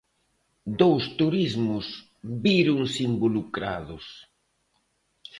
Dous turismos víronse involucrados.